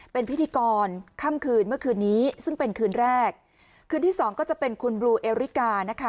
เป็นพิธีกรค่ำคืนเมื่อคืนนี้ซึ่งเป็นคืนแรกคืนที่สองก็จะเป็นคุณบลูเอริกานะคะ